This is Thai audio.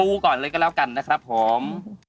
ก่อนเลยก็แล้วกันนะครับผม